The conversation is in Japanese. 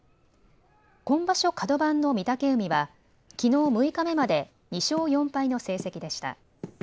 今場所、角番の御嶽海はきのう６日目まで２勝４敗の成績でした。